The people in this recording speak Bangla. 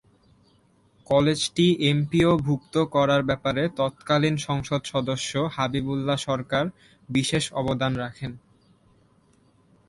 কলেজটি এমপিওভুক্ত করার ব্যাপারে তৎকালীন সংসদ সদস্য হাবিবুল্লাহ সরকার বিশেষ অবদান রাখেন।